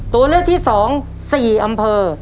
ตัวเลือกที่๒๔อำเภอ